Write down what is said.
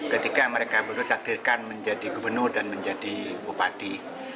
ketika mereka berdua takdirkan menjadi gubernur dan menjadi bupati